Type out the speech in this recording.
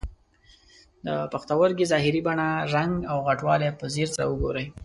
د پښتورګي ظاهري بڼه، رنګ او غټوالی په ځیر سره وګورئ.